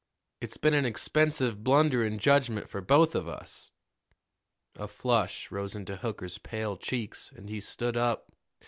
It's been an expensive blunder in judgment for both of us." A flush rose into Hooker's pale cheeks, and he stood up.